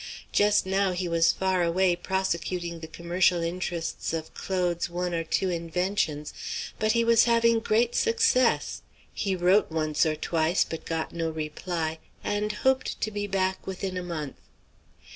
Just now he was far away prosecuting the commercial interests of Claude's one or two inventions; but he was having great success; he wrote once or twice but got no reply and hoped to be back within a month.